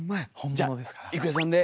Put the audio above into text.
じゃ郁恵さんで。